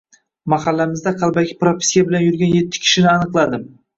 Mahallamizda qalbaki propiska bilan yurgan etti kishini aniqladim